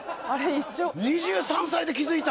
一緒２３歳で気づいた？